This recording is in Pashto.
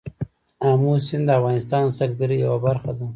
آمو سیند د افغانستان د سیلګرۍ یوه برخه ده.